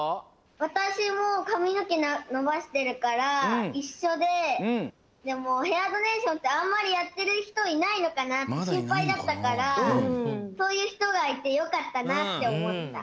わたしもかみのけのばしてるからいっしょででもヘアドネーションってあんまりやってるひといないのかなってしんぱいだったからそういうひとがいてよかったなっておもった。